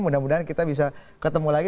mudah mudahan kita bisa ketemu lagi